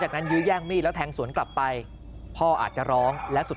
จากนั้นยื้อแย่งมีดแล้วแทงสวนกลับไปพ่ออาจจะร้องและสุด